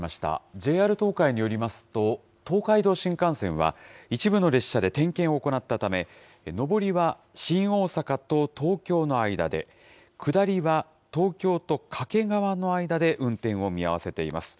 ＪＲ東海によりますと、東海道新幹線は、一部の列車で点検を行ったため、上りは新大阪と東京の間で、下りは東京と掛川の間で運転を見合わせています。